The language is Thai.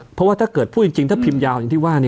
เพราะว่าถ้าเกิดพูดจริงถ้าพิมพ์ยาวอย่างที่ว่า